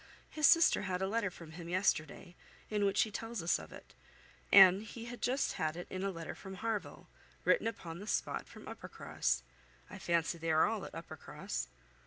His sister had a letter from him yesterday, in which he tells us of it, and he had just had it in a letter from Harville, written upon the spot, from Uppercross. I fancy they are all at Uppercross."